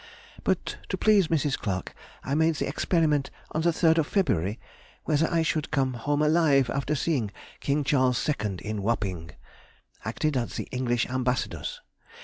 But to please Mrs. Clarke I made the experiment on the 3rd of February, whether I should come home alive after seeing King Charles II. in Wapping, acted at the English Ambassador's.